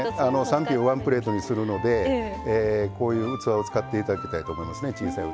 ３品をワンプレートにするのでこういう器を使っていただきたいと思います。